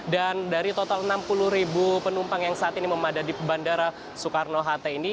dan dari total enam puluh ribu penumpang yang saat ini memadati bandara soekarno hatta ini